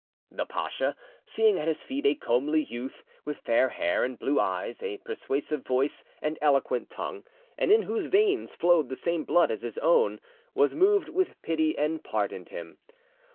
The pacha, seeing at his feet a comely youth, with fair hair and blue eyes, a persuasive voice, and eloquent tongue, and in whose veins flowed the same blood as his own, was moved with pity and pardoned him.